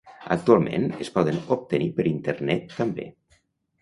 Actualment es poden obtenir per internet també.